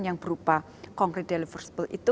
yang berupa concrete deliverables itu